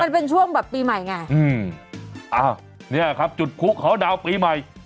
มันเป็นช่วงแบบปีใหม่ไงอืมอ้าวเนี่ยครับจุดคุกเขาดาวน์ปีใหม่